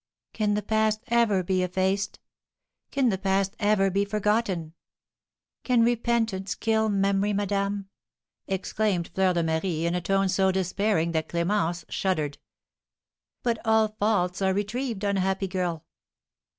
"Can the past ever be effaced? Can the past ever be forgotten? Can repentance kill memory, madame?" exclaimed Fleur de Marie, in a tone so despairing that Clémence shuddered. "But all faults are retrieved, unhappy girl!"